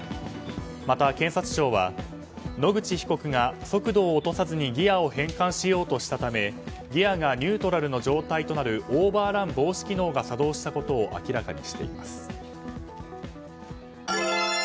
また、検察庁は野口被告が速度を落とさずにギアを変換しようとしたためギアがニュートラルの状態となるオーバーラン防止機能が作動したことを明らかにしています。